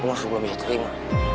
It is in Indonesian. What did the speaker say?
gue masih belum bisa terima